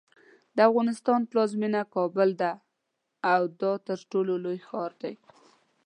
د افغانستان پلازمینه کابل ده او دا ترټولو لوی ښار دی.